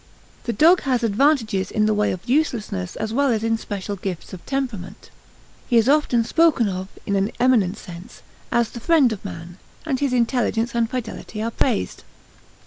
The dog has advantages in the way of uselessness as well as in special gifts of temperament. He is often spoken of, in an eminent sense, as the friend of man, and his intelligence and fidelity are praised.